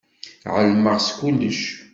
Ɛelmeɣ s kullec.